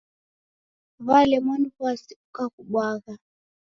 W'alemwa ni w'asi ukakubwagha.